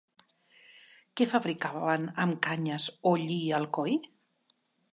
Què fabricaven amb canyes o lli a Alcoi?